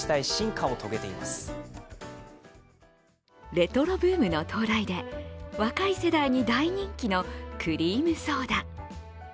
レトロブームの到来で若い世代に人気のクリームソーダ。